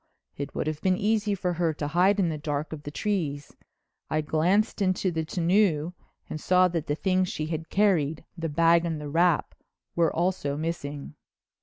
It would have been easy for her to hide in the dark of the trees. I glanced into the tonneau and saw that the things she had carried, the bag and the wrap, were also missing.